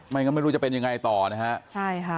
ไม่รู้จะเป็นยังไงต่อนะฮะใช่ค่ะ